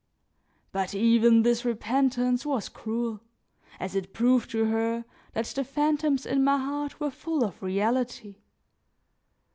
But even this repentance was cruel as it proved to her that the fantoms in my heart were full of reality.